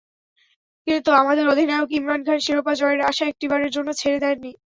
কিন্তু আমাদের অধিনায়ক ইমরান খান শিরোপা জয়ের আশা একটিবারের জন্য ছেড়ে দেননি।